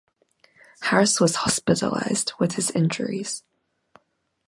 Harris was hospitalized with his injuries.